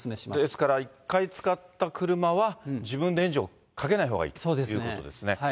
ですから、一回使った車は、自分でエンジンをかけないほうがいいということそうですね。